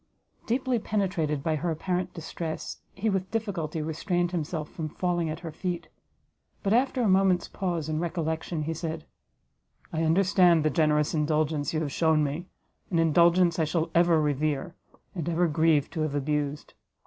Deeply penetrated by her apparent distress, he with difficulty restrained himself from falling at her feet; but after a moment's pause and recollection, he said, "I understand the generous indulgence you have shewn me, an indulgence I shall ever revere, and ever grieve to have abused.